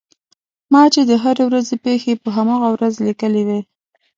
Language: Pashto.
ما چې د هرې ورځې پېښې په هماغه ورځ لیکلې وې.